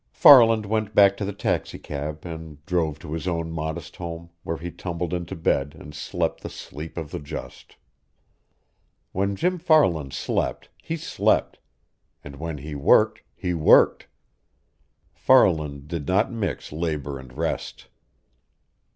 Farland went back to the taxicab and drove to his own modest home, where he tumbled into bed and slept the sleep of the just. When Jim Farland slept, he slept and when he worked, he worked. Farland did not mix labor and rest.